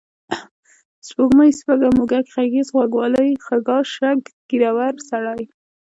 سپوږمۍ، سپږه، موږک، غږیز، غوږ والۍ، خَږا، شَږ، ږېرور سړی